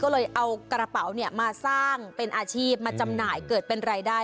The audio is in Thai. ก็เลยเอากระเป๋ามาสร้างเป็นอาชีพมาจำหน่ายเกิดเป็นรายได้